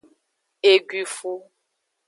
Eguifu.